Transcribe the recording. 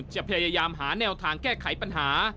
จะพยายามหาแนวทางแก้ไขปัญหา